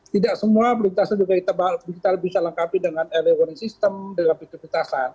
tidak semua perlintasan juga kita bisa lengkapi dengan elemen sistem dengan perlintasan